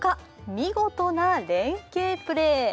見事な連係プレー。